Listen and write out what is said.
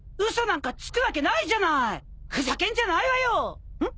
嘘なんかつくわけないじゃない！」「ふざけんじゃないわよ！」